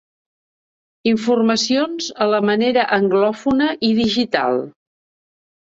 Informacions a la manera anglòfona i digital.